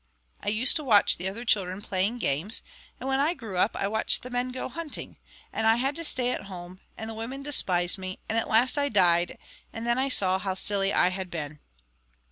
I used to watch the other children playing games, and when I grew up I watched the men go hunting. And I had to stay at home, and the women despised me; and at last I died, and then I saw how silly I had been."